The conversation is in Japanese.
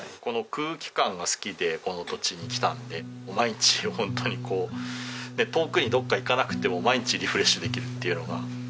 この空気感が好きでこの土地に来たので毎日本当にこう遠くにどっか行かなくても毎日リフレッシュできるっていうのが。